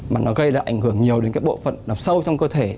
mà nó gây lại ảnh hưởng nhiều đến bộ phận sâu trong cơ thể